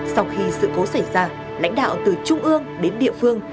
sau khi sự cố xảy ra lãnh đạo từ trung ương đến địa phương